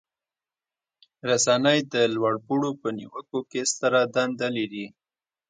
رسنۍ د لوړ پوړو په نیوکو کې ستره دنده لري.